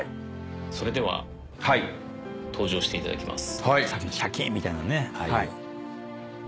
「それでは登場していただきます」